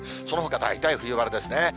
そのほか大体冬晴れですね。